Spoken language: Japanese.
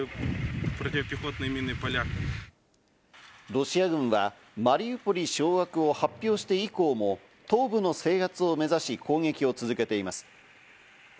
ロシア軍はマリウポリ掌握を発表して以降も東部の制圧を目指し攻撃を続けています。